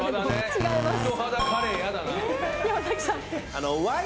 違います。